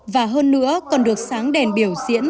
và hơn nữa còn được sáng đèn biểu diễn